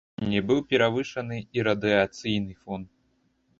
Не быў перавышаны і радыяцыйны фон.